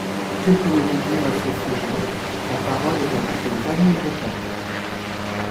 Que pouvez-vous nous dire à ce sujet ? La parole est à Monsieur Xavier Breton.